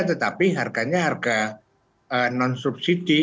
tetapi harganya harga non subsidi